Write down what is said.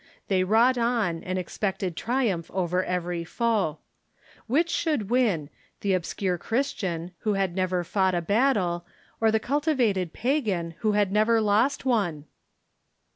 They wrought on, and expected triumph over every foe. Which should win — the obscure Christian, who had never fought a battle, or the cultivated pagan, who had never lost one?